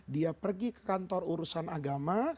dia pergi ke kantor urusan agama